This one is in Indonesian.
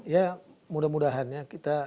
ya mudah mudahan ya